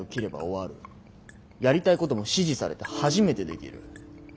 やりたいことも支持されて初めてできる。